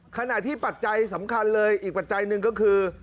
ขณะที่ปัจจัยสำคัญเลยอีกปัจจัยหนึ่งก็คือ